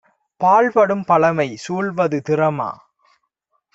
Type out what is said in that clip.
பாழ்படும் பழமை சூழ்வது திறமா?